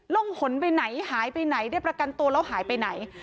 ่งหนไปไหนหายไปไหนได้ประกันตัวแล้วหายไปไหน